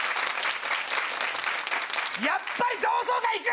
やっぱり同窓会行く！